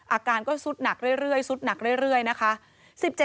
อาการก็ซุดหนักเรื่อยนะคะ